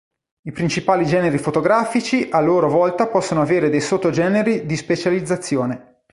I principali generi fotografici a loro volta possono avere dei sotto generi di specializzazione.